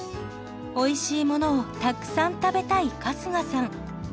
おいしいものをたくさん食べたい春日さん。